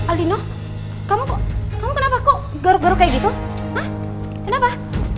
aldino kamu kok kamu kenapa kok garuk garuk kayak gitu hah kenapa